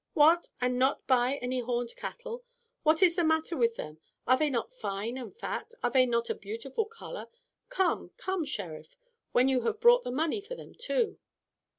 "What! and not buy any horned cattle? What is the matter with them? Are they not fine and fat? Are they not a beautiful color? Come, come, Sheriff, when you have brought the money for them too."